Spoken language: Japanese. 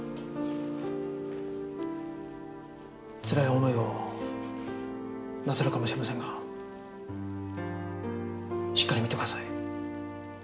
つらい思いをなさるかもしれませんがしっかり見てください。